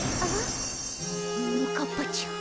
ももかっぱちゃん。